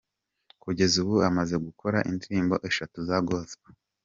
Kugeza ubu amaze gukora indirimbo eshatu za Gospel.